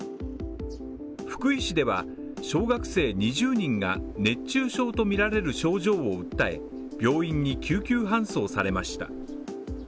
福井市では、小学生２０人が熱中症とみられる症状を訴え病院に救急搬送されました。